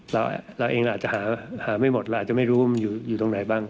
เราเองอาจจะหาไม่หมดเราอาจจะไม่รู้ว่ามันอยู่ตรงไหนบ้าง